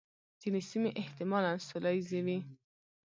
ځینې سیمې احتمالاً سوله ییزې وې.